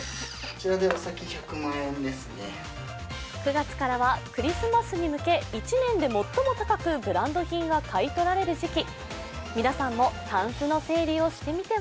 ９月からはクリスマスに向け、１年で最も高くブランド品が買い取られる時期。